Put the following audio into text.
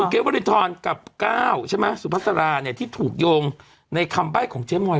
เกฟวรินทรกับก้าวใช่ไหมสุภาษาราเนี่ยที่ถูกโยงในคำใบ้ของเจ๊มอย